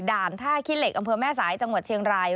ท่าขี้เหล็กอำเภอแม่สายจังหวัดเชียงราย